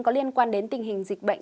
có liên quan đến tình hình dịch bệnh